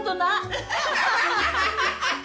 アハハハハ！